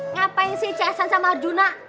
ngapain sih cesson sama arjuna